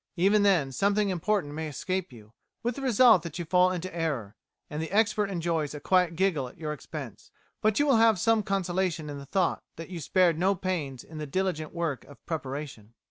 Even then something important may escape you, with the result that you fall into error, and the expert enjoys a quiet giggle at your expense; but you will have some consolation in the thought that you spared no pains in the diligent work of preparation.